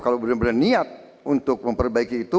kalau benar benar niat untuk memperbaiki itu